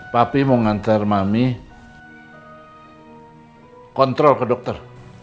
papi mau ngantar mami kontrol ke dokter